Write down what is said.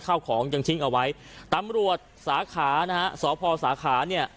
ข้าวของยังทิ้งเอาไว้ตำรวจสาขานะฮะสพสาขาเนี่ย